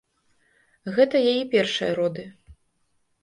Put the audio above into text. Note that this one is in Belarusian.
Гэта яе першыя роды.